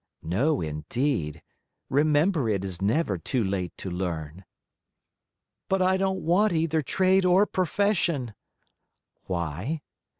"No, indeed. Remember it is never too late to learn." "But I don't want either trade or profession." "Why?"